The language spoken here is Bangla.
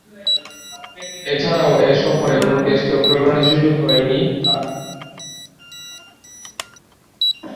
এছাড়াও, ঐ সফরে কোন টেস্টে অংশগ্রহণের সুযোগ হয়নি তার।